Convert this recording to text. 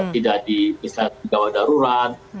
tidak di misalnya di daerah